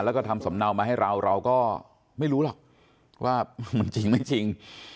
แล้วก็ทำสำเนามาให้เราเราก็ไม่รู้หรอกว่ามันจริงไม่จริง